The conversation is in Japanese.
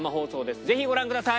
ぜひご覧ください。